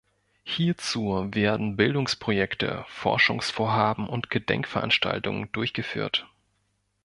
Hierzu werden Bildungsprojekte, Forschungsvorhaben und Gedenkveranstaltungen durchgeführt.